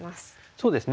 そうですね。